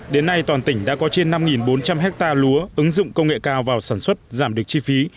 đến nay toàn tỉnh đã có trên năm bốn trăm linh hectare lúa ứng dụng công nghệ cao vào sản xuất giảm được chi phí